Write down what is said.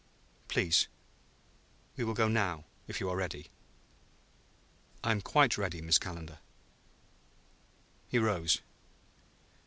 "Please, we will go now, if you are ready." "I am quite ready, Miss Calendar." He rose.